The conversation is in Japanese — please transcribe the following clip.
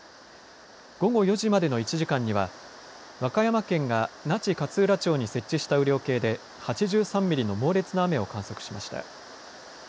午後４時までの１時間には、和歌山県が那智勝浦町に設置した雨量計で８３ミリの猛烈な雨を観測しました。